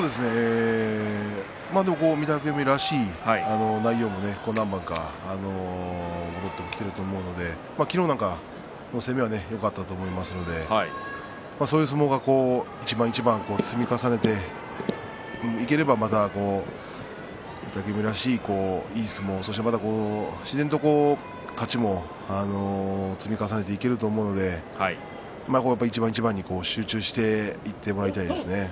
御嶽海らしい内容も何番か戻ってきていると思うので昨日も攻めはよかったと思うのでそういう相撲を一番一番積み重ねていければまた御嶽海らしいいい相撲そして自然と勝ちも積み重ねていけると思うので一番一番に集中していってもらいたいですね。